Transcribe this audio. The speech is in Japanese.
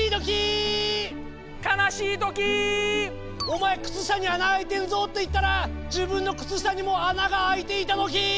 「お前靴下に穴開いてんぞ」って言ったら自分の靴下にも穴が開いていたときー！